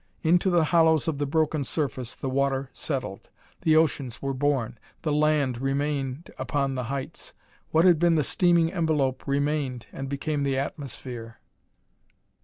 Into the hollows of the broken surface, the water settled. The oceans were born. The land remained upon the heights. What had been the steaming envelope, remained, and became the atmosphere.